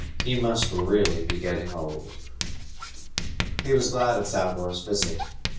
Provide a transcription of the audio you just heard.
He must really be getting old. He was glad of Thougor's visit.